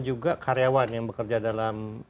juga karyawan yang bekerja dalam